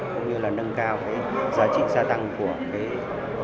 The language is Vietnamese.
cũng như là nâng cao cái giá trị gia tăng của cái sản phẩm nông nghiệp